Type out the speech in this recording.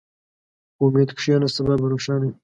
په امید کښېنه، سبا به روښانه وي.